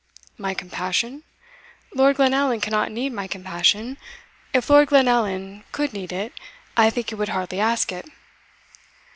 "My compassion? Lord Glenallan cannot need my compassion. If Lord Glenallan could need it, I think he would hardly ask it."